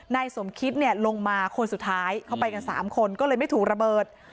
นายสมคิตเนี่ยลงมาคนสุดท้ายเข้าไปกัน๓คนก็เลยไม่ถูกระเบิด